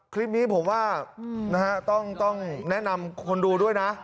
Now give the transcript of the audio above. คลิปนี้ผมว่าต้องแนะนำคนดูด้วยนะ